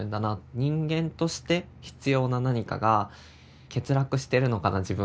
人間として必要な何かが欠落してるのかな自分は。